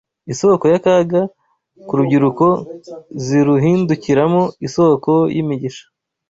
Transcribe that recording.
isōko y’akaga ku rubyiruko ziruhindukiramo isōko y’imigisha